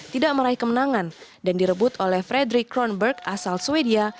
tidak meraih kemenangan dan direbut oleh frederick chronberg asal sweden